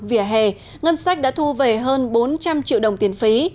vỉa hè ngân sách đã thu về hơn bốn trăm linh triệu đồng tiền phí